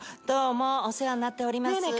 どうもお世話になっております。